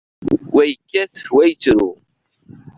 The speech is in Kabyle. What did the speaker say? Wa yekkat, wa yettru.